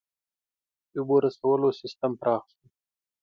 • د اوبو رسولو سیستم پراخ شو.